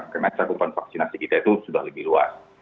karena kumpulan vaksinasi kita itu sudah lebih luas